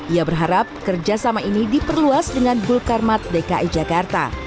ia berharap kerjasama ini diperluas dengan bulkarmat dki jakarta